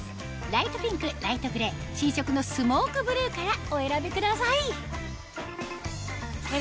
ライトピンクライトグレー新色のスモークブルーからお選びください